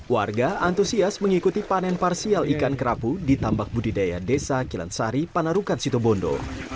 warga antusias mengikuti panen parsial ikan kerapu di tambak budidaya desa kilansari panarukan situbondo